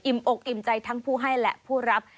อกอิ่มใจทั้งผู้ให้และผู้รับ